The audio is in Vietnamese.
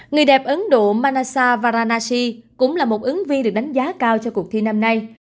người đẹp ấn độ manasa varanashi cũng là một ứng viên được đánh giá cao cho cuộc thi năm nay